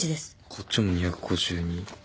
こっちも２５２。